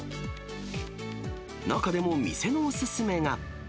中でも店のお勧めが。